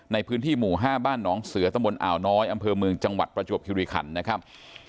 ในพื้นที่หมู่๕บ้านหนองเสือตำบลอ่าวน้อยอำเภอเมืองจังหวัดประจวบคิริขันนะครับ